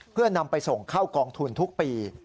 เพื่อนำไปส่งเข้ากองทุนทุกปี